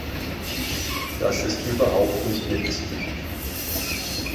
Das ist überhaupt nicht witzig.